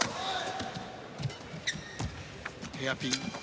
ヘアピン！